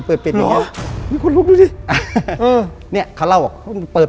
เป๊ะเป๊ะเป๊ะเป๊ะเป๊ะเป๊ะเป๊ะเป๊ะเป๊ะเป๊ะ